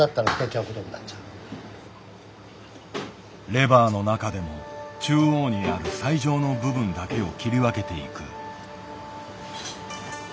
レバーの中でも中央にある最上の部分だけを切り分けていく。